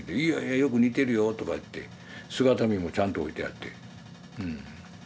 「いやいやよく似てるよ」とか言って姿見もちゃんと置いてあってうん。